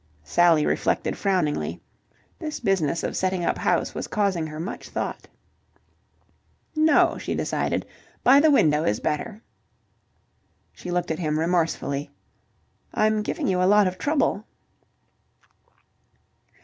Sally reflected frowningly. This business of setting up house was causing her much thought. "No," she decided. "By the window is better." She looked at him remorsefully. "I'm giving you a lot of trouble."